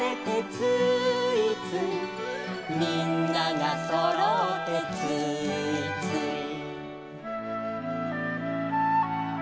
「みんながそろってつーいつい」